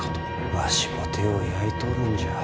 わしも手を焼いとるんじゃ。